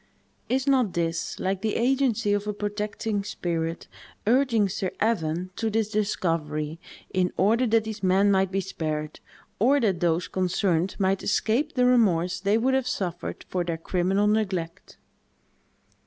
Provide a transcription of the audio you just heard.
Is not this like the agency of a protecting spirit, urging Sir Evan to this discovery, in order that these men might be spared, or that those concerned might escape the remorse they would have suffered for their criminal neglect?